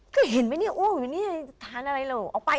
ก็เห็นไหมอ้อกอยู่นี่ทานอะไรเถอะออกไป